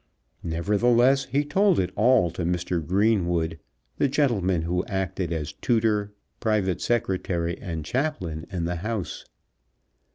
Nevertheless he told it all to Mr. Greenwood, the gentleman who acted as tutor, private secretary, and chaplain in the house.